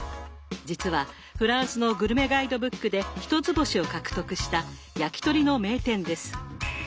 実はフランスのグルメガイドブックで一つ星を獲得した焼き鳥の名店です。